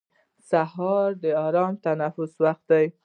سهار د ارام تنفس وخت دی.